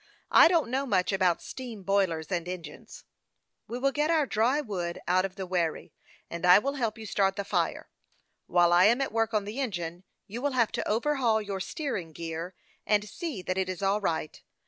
I don't know much about steam boilers and engines." " We will get our dry wood out of the wherry, and I will help you start the fire. While I am at work on the engine, you will have to overhaul your steering gear, and see that it is all right.